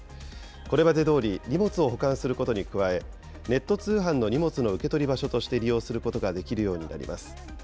これまでどおり荷物を保管することに加え、ネット通販の荷物の受け取り場所として利用することができるようになります。